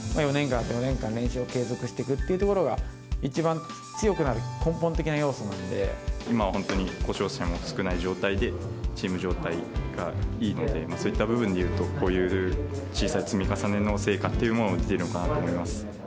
４年間、練習を継続していくというところが、一番強くなる根本的な要素な今は本当に故障者も少ない状態で、チーム状態がいいので、そういった部分でいうと、こういう小さい積み重ねの成果というものが出ているのかなと思い